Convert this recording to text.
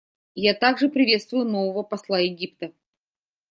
Я также приветствую нового посла Египта.